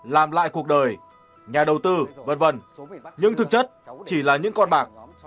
làm lại cuộc đời nhà đầu tư vân vân nhưng thực chất chỉ là những con bạc